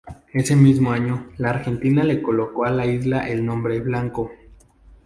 Ese mismo año, la Argentina le colocó a la isla el nombre Blanco.